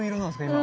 今。